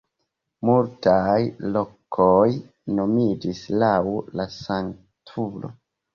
Multaj lokoj nomiĝis laŭ la sanktulo.